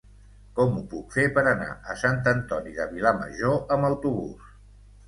Com ho puc fer per anar a Sant Antoni de Vilamajor amb autobús?